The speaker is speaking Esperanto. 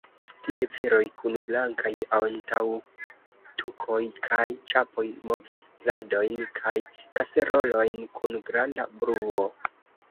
Tie viroj, kun blankaj antaŭtukoj kaj ĉapoj, movis pladojn kaj kaserolojn kun granda bruo.